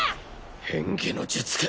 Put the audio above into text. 変化の術か